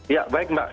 ya baik mbak